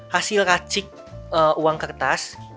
hasil racik uang kertas